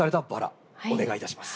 お願いいたします。